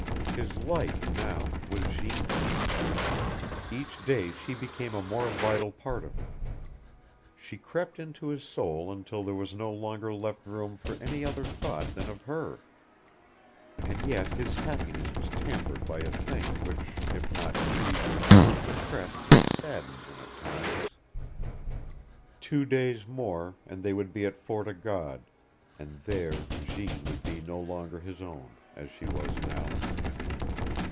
His life, now, was Jeanne. Each day she became a more vital part of him. She crept into his soul until there was no longer left room for any other thought than of her. And yet his happiness was tampered by a thing which, if not grief, depressed and saddened him at times. Two days more and they would be at Fort o' God, and there Jeanne would be no longer his own, as she was now.